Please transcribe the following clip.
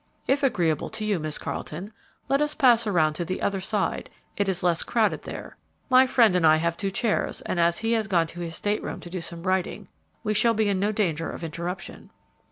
"If agreeable to you, Miss Carleton, let us pass around to the other side; it is less crowded there. My friend and I have two chairs, and, as he has gone to his state room to do some writing, we shall be in no danger of interruption."